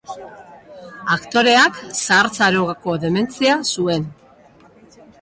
Aktoreak zahartzaroko dementzia zuen.